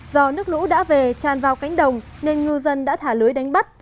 do nước lũ đã về tràn vào cánh đồng nên ngư dân đã thả lưới đánh bắt